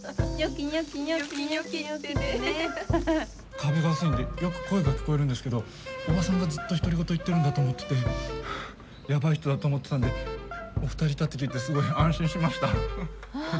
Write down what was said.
壁が薄いんでよく声が聞こえるんですけどおばさんがずっと独り言言ってるんだと思っててヤバい人だと思ってたんでお二人いたって聞いてすごい安心しました。